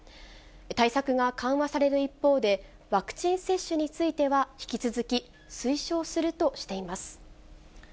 対策が緩和される一方で、ワクチン接種については、引き続き推奨するとしています。